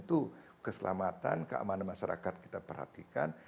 di satu sisi tentu keselamatan keamanan masyarakat kita perhatikan